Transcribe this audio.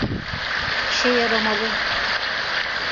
İşe yaramalı.